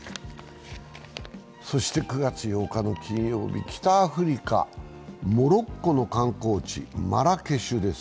９月８日の金曜日、北アフリカ・モロッコの観光地、マラケシュです。